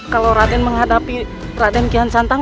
kalau raden menghadapi raden kian santang